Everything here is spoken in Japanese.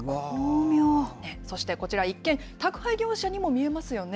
そしてこちら、一見、宅配業者にも見えますよね。